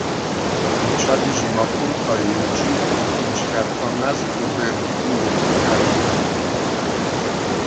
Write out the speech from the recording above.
მიჩა დი ჟი მაფონთხა ი ჯი კინჩხა̈რქა მა̈ზ ლჷბერკილ ი ოღვრი ღა̈რჩუ.